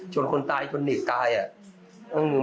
คนตายชนหนีบตายอ่ะ